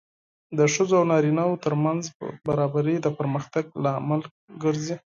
د ښځو او نارینه وو ترمنځ برابري د پرمختګ لامل ګرځي.